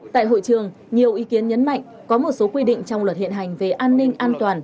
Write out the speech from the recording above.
tại hội trường nhiều ý kiến nhấn mạnh có một số quy định trong luật hiện hành về an ninh an toàn